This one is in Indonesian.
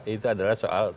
itu adalah soal